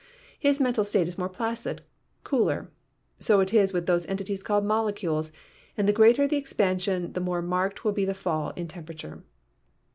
His mental state is more placid, cooler. So is it with those entities called molecules, and the greater the expansion the more marked will be the fall in temperature.